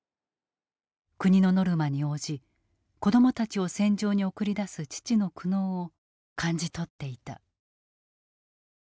国のノルマに応じ子供たちを戦場に送り出す父の苦悩を感じ取っていた。